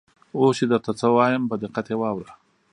اوس چې درته څه وایم په دقت یې واوره.